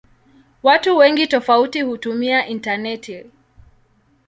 Watu wengi tofauti hutumia intaneti.